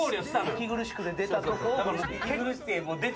息苦しくて出たとこを。